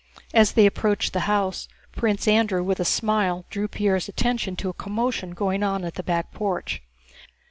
As they approached the house, Prince Andrew with a smile drew Pierre's attention to a commotion going on at the back porch.